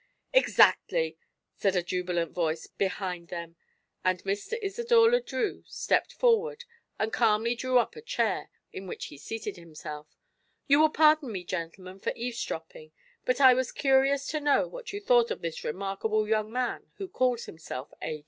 "Exactly!" said a jubilant voice behind them, and Mr. Isidore Le Drieux stepped forward and calmly drew up a chair, in which he seated himself. "You will pardon me, gentlemen, for eavesdropping, but I was curious to know what you thought of this remarkable young man who calls himself 'A.